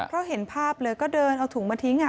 เพราะเห็นภาพเลยก็เดินเอาถุงมาทิ้ง